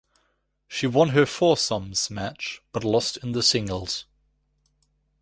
She won her foursomes match but lost in the singles.